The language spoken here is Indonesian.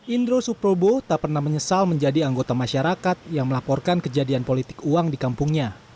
indro suprobo tak pernah menyesal menjadi anggota masyarakat yang melaporkan kejadian politik uang di kampungnya